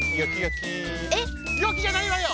よきじゃないわよ！